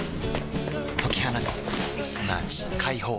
解き放つすなわち解放